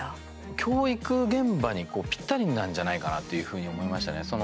教育現場にぴったりなんじゃないかなっていうふうに思いましたね。